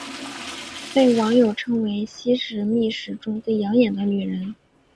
被网友称为西施秘史中最养眼的女人。